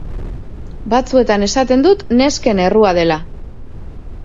Batzuetan esaten dut nesken errua dela!